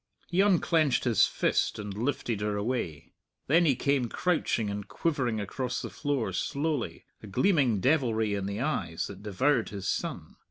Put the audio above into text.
He unclenched his fist and lifted her away. Then he came crouching and quivering across the floor slowly, a gleaming devilry in the eyes that devoured his son.